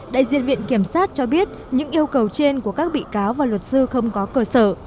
đại diện viện kiểm sát cho biết những yêu cầu trên của các bị cáo và luật sư không có cơ sở